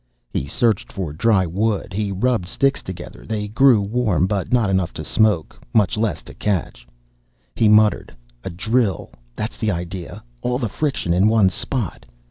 He searched for dry wood. He rubbed sticks together. They grew warm, but not enough to smoke, much less to catch. He muttered, "A drill, that's the idea. All the friction in one spot."